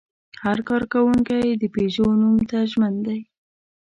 هر کارکوونکی د پيژو نوم ته ژمن دی.